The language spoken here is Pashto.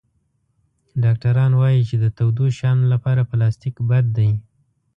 ډاکټران وایي چې د تودو شیانو لپاره پلاستيک بد دی.